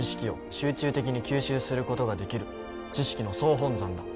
「集中的に吸収することができる知識の総本山だ」